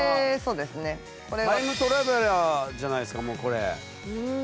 タイムトラベラーじゃないですかもうこれ。